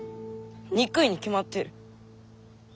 憎いに決まってる。